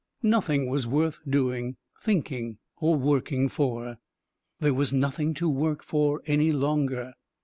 Nothing was worth doing, thinking, working for. There was nothing to work for any longer!